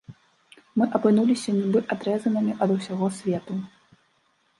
Мы апынуліся нібы адрэзанымі ад усяго свету.